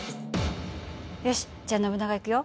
よしじゃあノブナガいくよ。